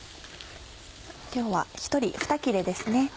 今日は１人２切れですね。